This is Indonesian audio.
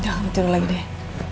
jangan tidur lagi deh